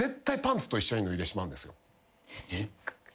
えっ？